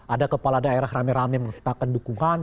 ada kepala daerah rame rame menciptakan dukungan